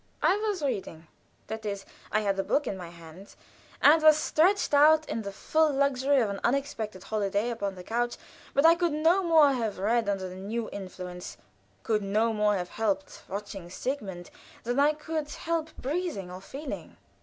I was reading that is, I had a book in my hands, and was stretched out in the full luxury of an unexpected holiday upon the couch; but I could no more have read under the new influence, could no more have helped watching Sigmund, than I could help breathing and feeling.